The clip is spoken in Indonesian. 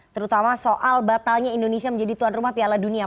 terutama soal batalnya indonesia menjadi tuan rumah piala dunia